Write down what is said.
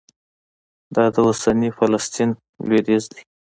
دا د اوسني فلسطین لوېدیځ دی.